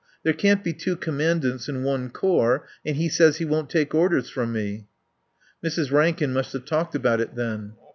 There can't be two commandants in one corps and he says he won't take orders from me." (Mrs. Rankin must have talked about it, then.)